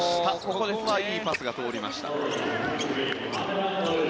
ここはいいパスが通りました。